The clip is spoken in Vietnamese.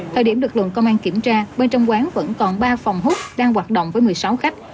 thời điểm lực lượng công an kiểm tra bên trong quán vẫn còn ba phòng hút đang hoạt động với một mươi sáu khách